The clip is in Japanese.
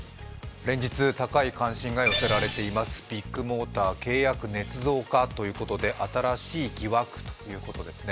連日高い関心が寄せられていますビッグモーター、契約ねつ造かということで新しい疑惑ということですね。